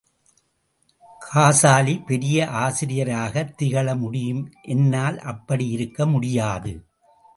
காசாலி, பெரிய ஆசிரியராகத் திகழ முடியும், என்னால் அப்படியிருக்க முடியாது.